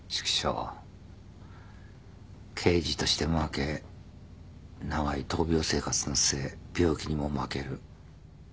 刑事として負け長い闘病生活の末病気にも負ける。